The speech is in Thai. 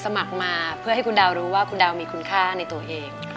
สมัครมาเพื่อให้คุณดาวรู้ว่าคุณดาวมีคุณค่าในตัวเอง